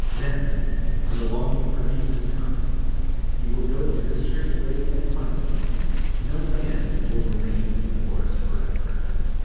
Then, when the longing for peace has come, he will go to the straight way and find it; no man will remain in the forest for ever.